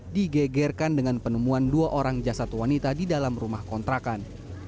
digegerkan dengan penemuan dua orang jasad wanita di dalam rumah kontrakan